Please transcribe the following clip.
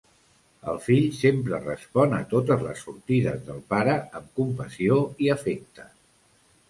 El fill sempre respon a totes les sortides del pare amb compassió i afecte.